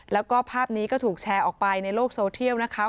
แล้วก็ภาพนี้ก็ถูกแชร์ออกไปในโลกโซเทียลนะคะ